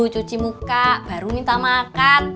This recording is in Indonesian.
cuci muka baru minta makan